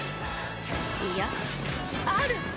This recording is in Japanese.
いやある！